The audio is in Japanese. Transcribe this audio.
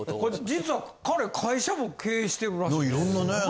実は彼会社も経営してるらしいんですよ。